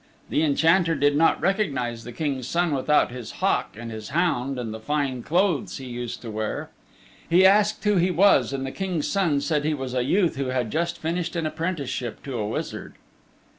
The Enchanter did not recognize the King's Son without his hawk and his hound and the fine clothes he used to wear. He asked who he was and the King's Son said he was a youth who had just finished an apprenticeship to a wizard.